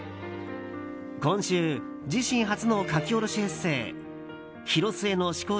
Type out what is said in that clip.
今週自身初の書き下ろしエッセー「ヒロスエの思考